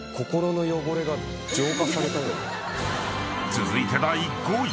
［続いて第５位］